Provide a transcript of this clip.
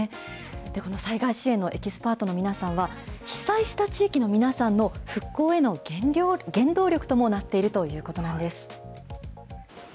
この災害支援のエキスパートの皆さんは、被災した地域の皆さんの復興への原動力ともなっているということなんです。